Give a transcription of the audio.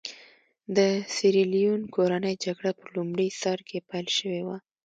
د سیریلیون کورنۍ جګړه په لومړي سر کې پیل شوې وه.